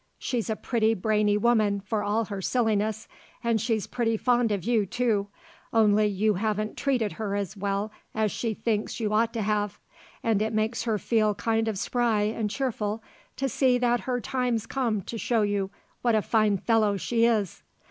She's a pretty brainy woman, for all her silliness, and she's pretty fond of you, too, only you haven't treated her as well as she thinks you ought to have, and it makes her feel kind of spry and cheerful to see that her time's come to show you what a fine fellow she is.